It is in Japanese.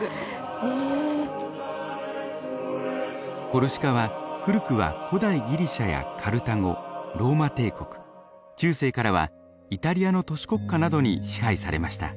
コルシカは古くは古代ギリシャやカルタゴローマ帝国中世からはイタリアの都市国家などに支配されました。